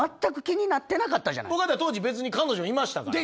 当時別に彼女いましたから。